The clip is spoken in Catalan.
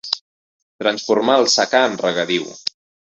Transformar el secà en regadiu.